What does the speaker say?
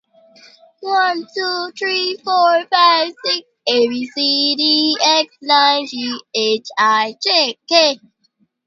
The church's tiny interior comprises a nave and aisle divided by an arcade.